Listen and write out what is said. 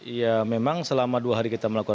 iya memang selama dua hari kita melakukan